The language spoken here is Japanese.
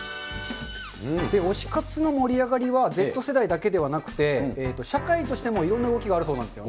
推し活の盛り上がりはＺ世代だけではなくて、社会としてもいろんな動きがあるそうなんです。